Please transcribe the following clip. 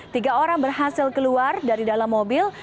tiga orang berhasil keluar dari dalam mobil